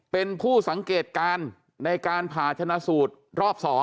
เป็นผู้สังเกตการณ์ในการผ่าชนะสูตรรอบ๒